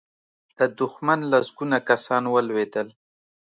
د دښمن لسګونه کسان ولوېدل.